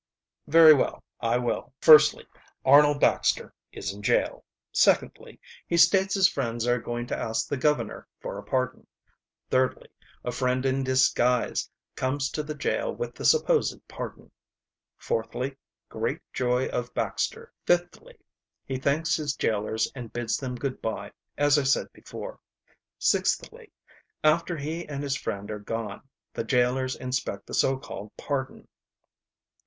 "Very well, I will. Firstly, Arnold Baxter is in jail. Secondly, he states his friends are going to ask the governor for a pardon. Thirdly, a friend in disguise comes to the jail with the supposed pardon. Fourthly, great joy of Baxter. Fifthly, he thanks his jailers and bids them good by, as I said before. Sixthly, after he and his friend are gone the jailers inspect the so called pardon.